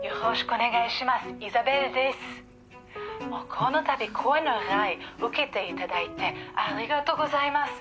「このたび講演の依頼受けて頂いてありがとうございます」